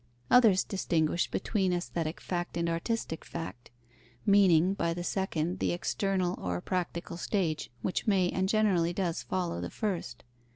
Others distinguish between aesthetic fact and artistic fact, meaning by the second the external or practical stage, which may and generally does follow the first.